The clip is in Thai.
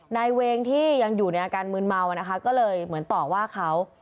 เวงที่ยังอยู่ในอาการมืนเมานะคะก็เลยเหมือนต่อว่าเขา